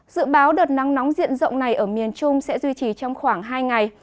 dự báo đợt nắng nóng diện rộng này ở miền trung sẽ duy trì trong khoảng hai ngày